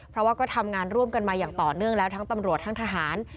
เพราะว่าก็ทำงานร่วมกันมาอย่างต่อเนื่องแล้วทั้งตำรวจทั้งทหาร